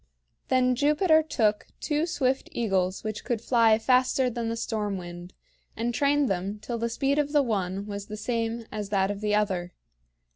Then Jupiter took two swift eagles which could fly faster than the storm wind, and trained them till the speed of the one was the same as that of the other.